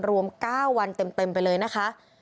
รวม๙วันเต็มไปเลยนะคะ